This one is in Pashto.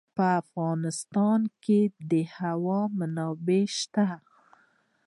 په افغانستان کې د هوا منابع شته.